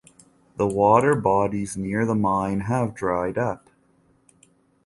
The water bodies near the mine have dried up.